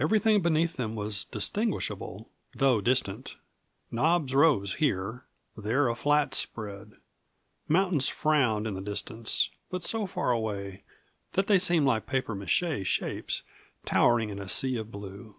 Everything beneath them was distinguishable, though distant. Knobs rose here; there a flat spread. Mountains frowned in the distance, but so far away that they seemed like papier mache shapes towering in a sea of blue.